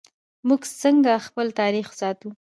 موږ څنګه خپل تاریخ ساتو؟